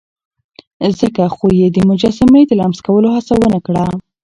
ځکه خو يې د مجسمې د لمس کولو هڅه ونه کړه.